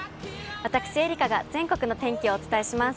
私、愛花が全国の天気をお伝えします。